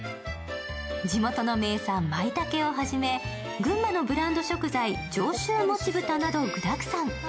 地元の名産、まいたけをはじめ群馬のブランド食材、上州もち豚など具だくさん。